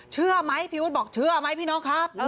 เชื่อไหมพี่วุฒิบอกเชื่อไหมพี่น้องครับ